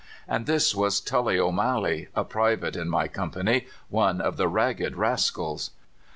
And this was Tully O'Malley, a private in my company, one of the 'ragged rascals.